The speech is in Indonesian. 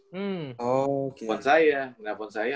hmm oh gitu ya temen saya ya